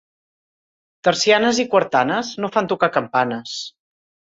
Tercianes i quartanes no fan tocar campanes.